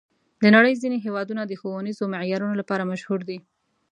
د نړۍ ځینې هېوادونه د ښوونیزو معیارونو لپاره مشهور دي.